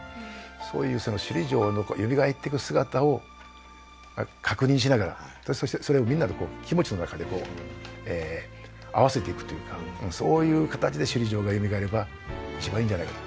そういうその首里城のよみがえっていく姿を確認しながらそしてそれをみんなの気持ちの中で合わせていくっていうかそういう形で首里城がよみがえれば一番いいんじゃないかと。